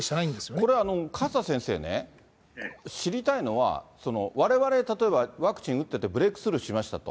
これ、勝田先生ね、知りたいのは、われわれ例えばワクチン打ってて、ブレークスルーしましたと。